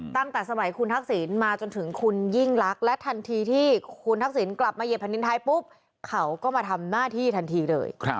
ตั้งแต่สมัยคุณทักษิณมาจนถึงคุณยิ่งลักษณ์และทันทีที่คุณทักษิณกลับมาเหยียบแผ่นดินไทยปุ๊บเขาก็มาทำหน้าที่ทันทีเลย